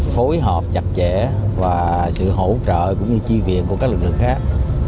phối hợp chặt chẽ và sự hỗ trợ cũng như chi viện của các lực lượng khác